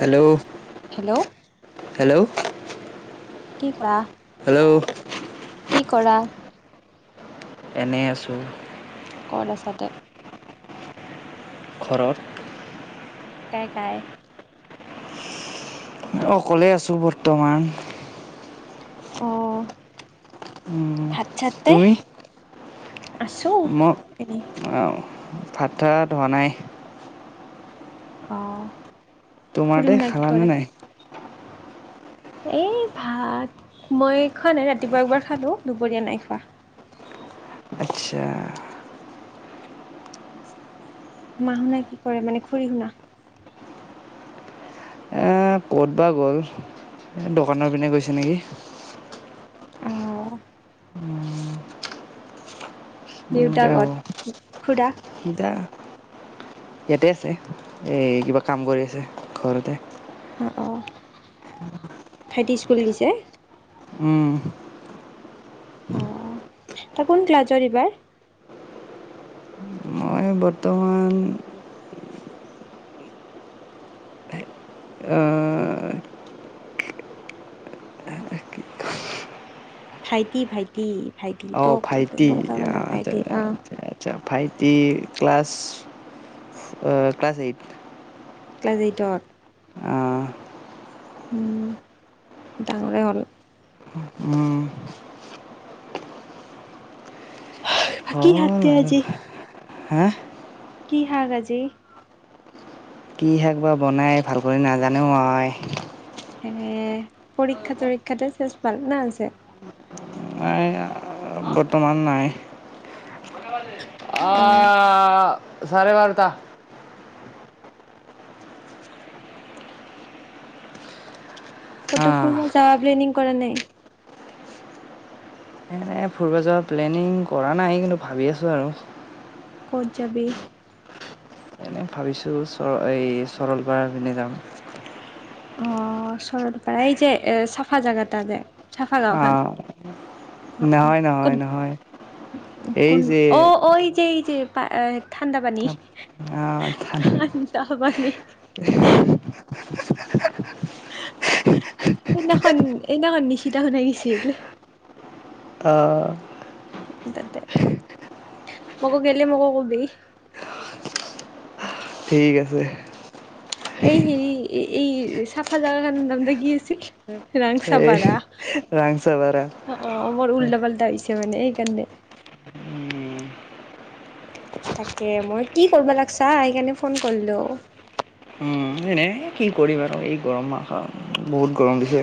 Hello hello hello [inaudible] কি কৰা hello কি কৰা এনেই আছোঁ ক'ত আছাতে ঘৰত কাই কাই অকলে আছোঁ বৰ্তমান অঁ তুই আছো ম এনেই অ ভাত তাত হোৱা নাই অ। খুৰী তোমাৰতে খালানে নাই? এ ভাত মই খোৱা নাই ৰাতিপুৱা একবাৰ খালো দুপৰীয়া নাই খোৱা। আচ্ছা। মাহ শুনা কি কৰে মানে খ়ী শুনা এ ক'ত বা গ'ল দোকানৰ পিনে গৈছে নেকি। [unintelligible] অহ দেউতা এনেকৈ হ'ব কত? খুৰা এতিয়া ইয়াতে আছে এ কিবা কাম কৰি আছে ঘৰতে অঁ ভাইটি স্কুল দিছে? উম। আহ, তাৰ কোন ক্লাছত এইবাৰ? মই বৰ্তমান [inaudible] ভাইটি, ভাইটি, ভাইটি ত অঁ ভাইটী, কথা [unintelligible] মানে ভাইটি আহ আচ্ছা। ভাইটি ক্লাছ ক্লাছ এইট ক্লাজ এইটত উম ডাঙৰে হ'ল। উম, বাকী হ'ল হাৰতি আৰু আজি হা কি হাক আজি কি শাক বা বনাই ভাল কৰি নাজানো মই হে পৰীক্ষা চৰীক্ষাতে চেছ ভাল না আছে? নাই [unintelligible] বৰ্তমান নাই। অ'। আহ। চাৰে বাৰ্তা [inaudible] কত আহ ফুৰিব যাবা প্লেনিং কৰা নাই? [inaudible] এনেই ফুৰব যৰ প্লেনিং কৰা নাই কিন্তু ভাবি আছোঁ আৰু কত জাবী? [inaudible] ম ভাবিছোঁ এই চৰল পৰা পিনে যাম। অ চৰল পাৰা এই যে এ চাফা জাগা এটা যে চাফা গাঁও খান আহ অ, অ নহয় নহয় কোন নহয় এই কোন যে অ ঐ যে যে ঠাণ্ডা পানী আহ আহ ঠান্দা নি [unintelligible] সদিখন এদিখন নিচিনা হত আহিছিল। অ। [inaudible] তাতে মোকো গেলে মোকো কবি। ঠিক আছে। এই হেৰি এই চাফা জগাৰ নাম টা কি আছিল এই ৰাংচাপাৰা ৰাংচাপাৰা। অ অ মোৰ উল্টা পাল্টা হৈছে নে এই কে তাকে মই কি কৰিব লাগছা সেইকাৰণে ফোন কৰিলো উ এনে কি কৰিম আৰু এই গৰম মাহ আৰু বহুত গৰম দিছে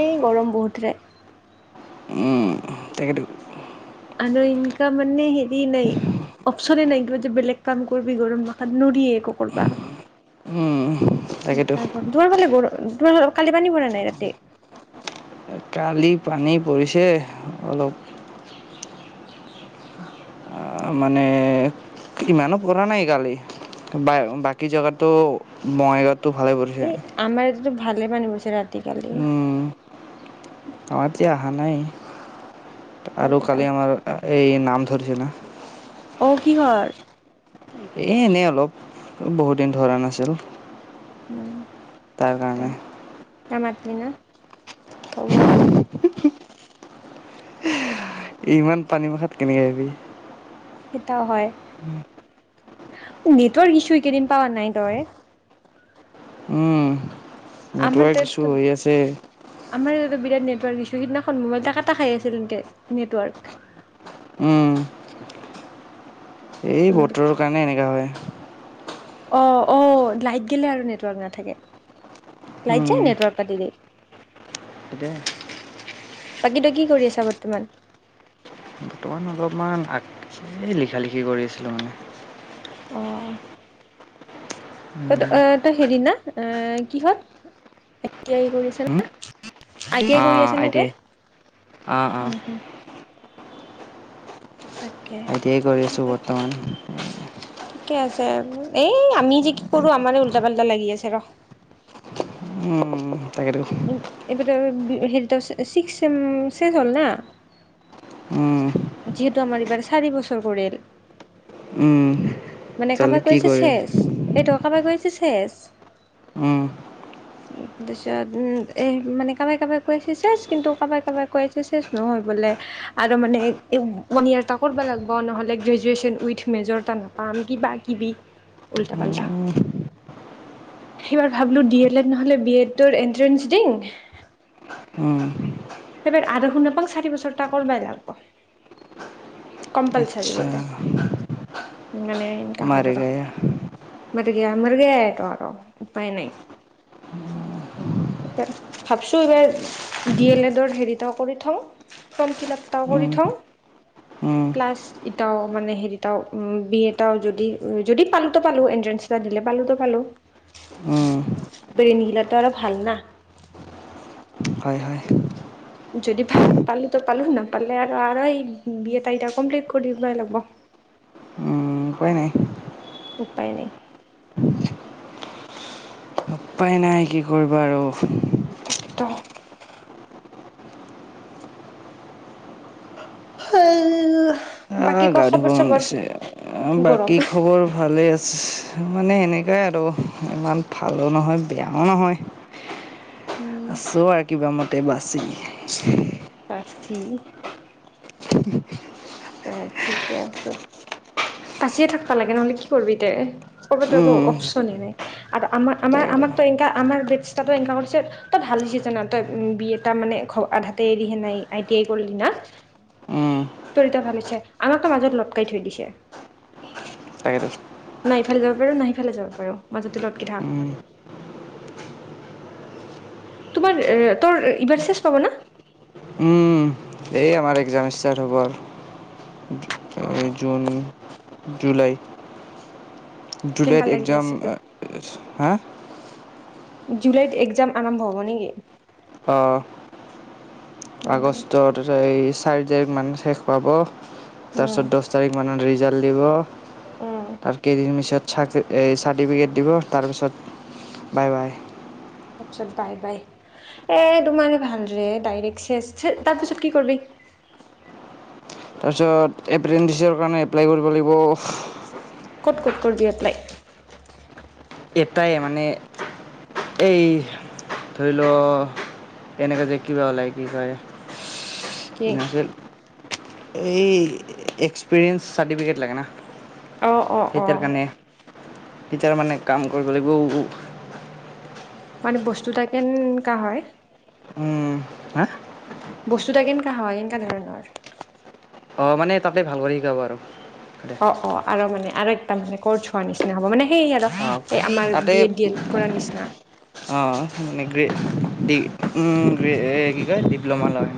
এই গৰম বহুতৰে উ তাকে টো আৰু এনো মানে হেৰি নাই অপচনে নাই কিবা যে বেলেগ কাম কৰিবি গৰম ভাষাত নোৰি একো কৰবা উম, তাকেতো [inaudible] তোমাৰ কালি পানী পৰা নাই ৰাাতি কালি পানী পৰিছে অলপ মানে ইমানো পৰা নাই কালি বা বাকী জেগাতো বঙাইগাঁৱত টো ভালে পৰিছে ভালেই পানি পৰিছে ৰাতি কালি উম, আমাৰ এতিয়া অহা নাই আৰু তাকেতো কালি আমাৰ এই নাম ধৰিছি না অ কিহৰ এ এনেই অলপ বহুতদিন ধৰা নাছিলো উম তাৰ কাৰণে নামাতলি না হ'ব ইমান পানী মুখাত কেনেকে আহিবি সেইটাও হয় নেটৱৰ্ক ইছু এইকেইদিন পাৱা নাই তই উম, আমাৰ নেটৱৰ্ক ইছ্যু তাত হৈ আছে আমাৰ ইয়াতে বিৰাট নেটৱৰ্ক দিছু সিদিনাখন মোবাইল এাকটা খাই আছিল একে নেটৱৰ্ক উম, এই বতৰৰ কাৰণে এনেকুৱা হয় অ অ লাইট গেলে আৰু নেটৱৰ্ক নাথাকে লাইট যাই উম। নেটৱৰ্ক কাতি দিয়ে [unintelligible] বাকী তো কি কৰি আছা বৰ্তমান অণ অলপমান আ লিখা লিখি কৰি আছিলোঁ মানে অঁ তই উম, অ তই হেৰি না এ কিহত আই তি আই কৰি আছা হুম? না আই তি আই কৰি অ' আছা না টি তই আই। অ' অ'। তাকে আই তি আই ৰি আছো বৰ্তমান তিকে আছে এই আমি যে কি কৰো আমাৰ উল্টা পাল্টা লাগি আছে ৰ উম উম উম তাগৰ এইবাৰ হেৰিত চিক্স শে হ'ল না উম, যিহেতু আমাৰ এইবাৰ চাৰি বছৰ কৰিল উম। মানে তালে কাৰোবাৰ কি কৈছে কৰে? চেষ এইটো কাৰোবাৰ কৈছে তাৰপিছত উম, উ এ মানে কাব কাব কৈছেে কিন্তু ক কাবাই কৈছেেষ নহয় বোলে আৰু মানে ওৱান ইয়ৰ এটা কৰিব লাগিব নহলে গ্ৰেজুৱেচন উই মেজৰটা পাম কি বা কিব উল্টা পাল্টা উম, এইবাৰ ভাবলো ড এড এড নহলে বি এডৰ এনট্ৰেন্স দিম উম। সবাৰ আ শু নাপাং চাৰি বছৰটা কৰবাই লাগিব কম্পালচাৰী আচ্ছা। বলে মানে এনেকা হ'ল মাৰে আৰু গায়া। মাৰগে মাৰগেটো আৰু উপায় নাই ভাবছো এইবাৰ ডি এল এডৰ থ ফ ফ উম, থওঁ উম, প্লাছ এ মানে হেৰি বি এটা যদি যদি পালো পালো এনট্ৰেঞ্চ এটা দিলে পালো পালো উম। ব্ৰেইন হিল আৰু ভাল ন হয় হয়। যদি ভ পালো তো পালো নাপালে আৰু আৰু এই বি এটা এটা কমপ্লিট কৰি দই লব উম, উপায় নাই। উপায় নাই উপায় নাই কি কৰিবা আৰু তাকেতো [inaudible] [inaudible] হ গা ধুব খবৰ মন চবৰ গৈছে গৰম বাকী খবৰ ভালেই আছে মানে এেনেকাই আৰু ইমান ভালো নহয় বিয়া ন হয়য় উম আছো আৰু কিবা মত তে বছ ই [inaudible] দে ঠিকে আছে বাচিয়ে থাকবা লাগে নহ'লে কি কৰিবি দে ক'বাতো একো উম অপশচনে নাই আৰু আমাৰ আমাৰ তাকে আমাক তাকে এ আমাৰ ব এ কৰিছে তই ভাল জান তই বি এটা মানে আধাতে এৰিহে নাই আই টি আই কৰি ন উম ৰিত ভালিছে আমাক তো মাজত লটকাই থৈ দিছে তাকেতো নাই ইফালে যাব পাৰো নাই ইফালে যাব পাৰো মাজতে লগতকি থাক উম তোমাৰ তোৰ ইবাৰ শেষ পাব ন উম এই আমাৰ এক্সাম ষ্টাৰ্ট হ'ব অ জুন জুলাই কেনকা জুলাইত লাগি একগ্জাম আছে দে হা জুলাইত এক্সাম আৰম্ভ হব নেকি আহ উম আগষ্ট ত চাৰ্জাৰ মানে শেষ পাব তাৰপিছত দহ তাৰিখ মানে ৰিজাল্ট উম তেৱ তাৰ কেইদিন মিছত চ এই চাৰ্টিফিকেট দিব তাৰপিছত বাই বাই তাৰপিছত বাই বাই এ তোমাৰ ভালৰে ডাইৰে্ শে তাৰপিছত কি কৰবি তাৰপিছত এপ্ৰেণ্ডিছৰ কাৰণে এপ্লাই কৰিব লাগিব ক'ত ক'ত কৰিবি এপ্লাই এটাই মানে এই ধৰি লও এনেকোৱা যে কিবা ওলায় কি কয় কি নাম আছিল এই এক্সপিৰিয়েন্ঞ্চ চাৰ্টিফিকেট লাগে না আহ অ অ এতিয়া মানে কাম কৰিব লাগিব মানে বস্তুত কেন কা হয় হা বস্তুতা কেনকা হায় কেনকা ধৰণ অ মানে তাকে ভাল কৰি শিকাব আৰু অ অ আৰু মানে আৰু একটা মানে কৌৰচ হোৱাৰ নিচিনা হব মানে সেই আৰু অঁ এই আমাৰ বি এড ডি এড কৰাৰ নিচিনা অ মানে গ্ৰে ডিগ্ৰী গ্ৰে কি ক ডিপ্'ম ল লয়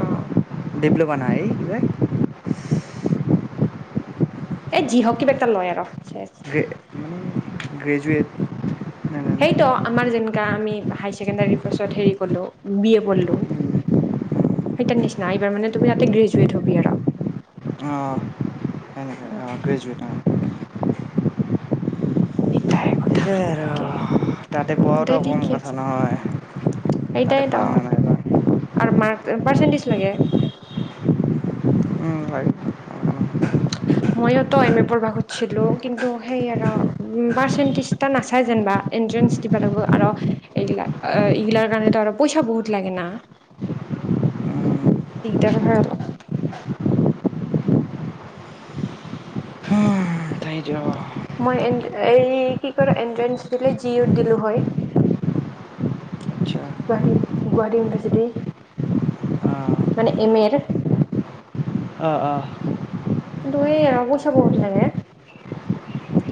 আহ ডিপ্লমা নাই হেহ সেই যি হক কিবা এটাক লয় আৰ গ্ৰে মানে গ্ৰেজুৱেট নাই নাই নাই সেইটো আমাৰ যেনেকা আমি হাই ছেকেণ্ডাৰীৰ পাছত হেৰি ক'লো বি এ পঢ়লো সেইটাৰ নিচিনা এইবাৰ মানে তুমি তাতে গ্ৰেজুৱেট হ'বি আৰু অ গ্ৰেজুৱেট অ সেই সেয়াই কথা সেইয়াই আৰু তাকে তাতে দে পোৱাওতো কম ঠিকে কথা আছে নহয় তাতে সেইটাই ত পাওঁ নে নাই বা আৰু মাৰ পাৰ্চেণ্টেজ লাগে উম হয় মই ত এম এ পঢ় খুজছিলো কিন্তু সেই আৰো পাৰ্চন্টেজ নাচায় যেনবা এনটেৰছ দিব লাগ আৰো আৰো এগলাৰ কাৰণে পইচা বহুত লাগে না সেই সেইটোৱে মই আকৌ এই কি ক এনট্ৰেঞ্চ দিলে জি ইউত দিলো হয় আচ্ছা গুৱাহাটী গুৱাহাটী ইউনিভাৰ্চিটি অঁ মানে এম এৰ অঁ অঁ কিন্তু এই আৰু পইচা বহুত লাগে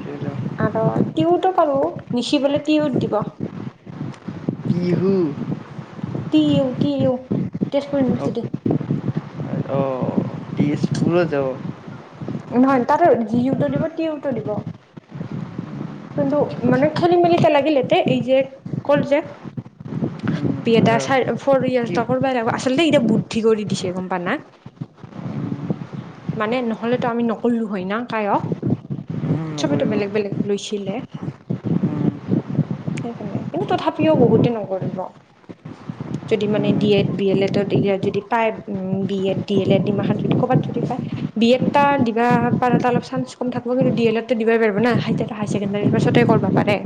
সেইটো আৰু তিওটো পালো লিখিবলৈ তিওত দিব বিহু তি ইউ তি ইউ তেজপুৰ ইউনিভাৰচিটি স্কুলত যাৱ নহয় তাত যিওটো দিব তিওটো দিব কিন্তু আচ্ছা মানে আচ্ছা খেলি মেলিতে লাগিলতে এই যে কল যে বি এ টা আৰু ফৰ কি ইয়াৰ্চটা কৰিব লাগিব আচলতে এতিয়া বুদ্ধি কৰি দিছে গম প নাই মানে নহলেতো আমি নকলো হয় ন কাইক চবেতো বেলেগ বেলেগ লৈছিলে সেইকাৰণে কিন্তু তথাপিও বহুতে নকৰিব যদি মানে ডি এড নকৰিব বি এল এড যদি পায় B Ed D L Ed এইমাখান কবাত পায় যদি কবাত যদি পায় বি এডটা দিবা পাৰ অলপ চান্স কম থাকিব কিন্তু ডি এল এড দিব পাৰিব না হাই ছেকেণ্ডাৰীৰ পাছতে কৰিব পাৰে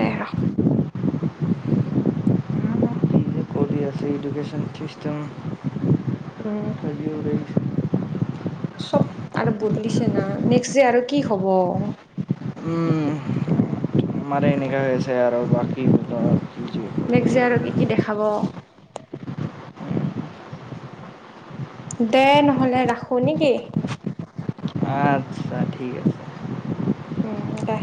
দে অৰো কি যে কৰি আছে এডুকেশ্যন চিষ্টেম উম চব আৰু বদলিছে না নেক্সট যে আৰু কি হব আমাৰে এনেকোৱা হৈছে আৰু বাকী [unintelligible] নেক্ ডে আৰোগি কি দেখাব? দে নহ'লে ৰাখো নেকি। অ', ঠিক আছে। উম, দে।